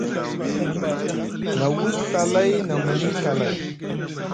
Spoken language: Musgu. Na wus Ɵa lay, na muni Ɵa lay.